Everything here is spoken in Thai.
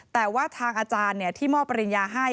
แต่ว่าทางอาจารย์ที่มอบปริญญาให้